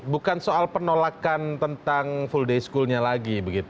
bukan soal penolakan tentang full day schoolnya lagi